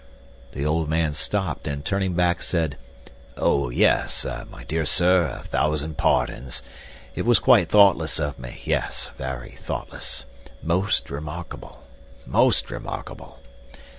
The old man stopped and, turning back, said: "Oh, yes, my dear sir, a thousand pardons. It was quite thoughtless of me, yes—very thoughtless. Most remarkable—most remarkable!"